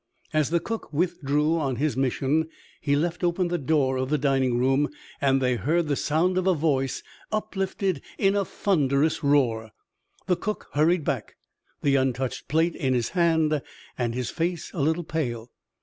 As the cook withdrew on his mission he left open the door of the dining room and they heard the sound of a voice, uplifted in a thunderous roar. The cook hurried back, the untouched plate in his hand and his face a little pale.